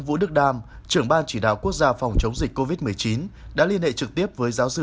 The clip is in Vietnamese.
vũ đức đam trưởng ban chỉ đạo quốc gia phòng chống dịch covid một mươi chín đã liên hệ trực tiếp với giáo sư